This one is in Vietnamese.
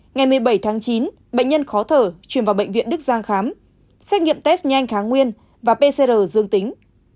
ngày một mươi bảy tháng chín bệnh nhân khó thở chuyển vào bệnh viện đức giang khám xét nghiệm test nhanh kháng nguyên và pcr dương tính